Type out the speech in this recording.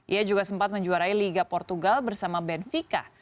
ia juga sempat menjuarai liga portugal bersama benvika